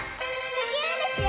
できるんですよ。